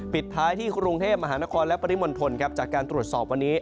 ปิดท้ายที่กรุงเทพมหานครและปริมณฑลครับจากการตรวจสอบวันนี้